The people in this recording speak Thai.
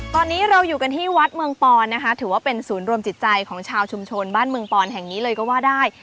ตอนนี้เราอยู่กันที่วัดเมืองปอนนะคะถือว่าเป็นศูนย์รวมจิตใจของชาวชุมชนบ้านเมืองปอนแห่งนี้เลยก็ว่าได้